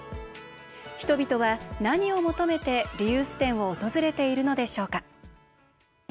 人々は何を求めて、リユース店を訪れているのでしょうか。